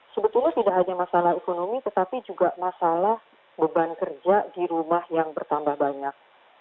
sebetulnya tidak hanya masalah ekonomi tetapi juga masalah beban kerja di rumah yang bertambah banyak